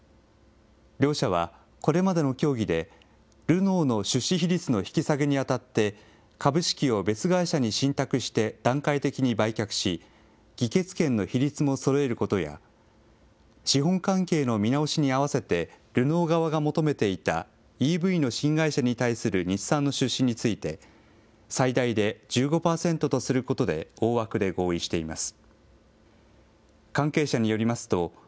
両社はこれまでの協議で、ルノーの出資比率の引き下げにあたって、株式を別会社に信託して段階的に売却し、議決権の比率もそろえることや、資本関係の見直しに合わせてルノー側が求めていた、ＥＶの新会社に対する日産の出資について、最大で１５％とすることで大枠で合意しています。